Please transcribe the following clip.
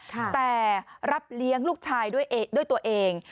แต่รับเลี้ยงลูกชายด้วยตัวเอง